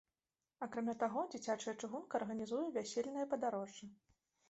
Акрамя таго, дзіцячая чыгунка арганізуе вясельныя падарожжы.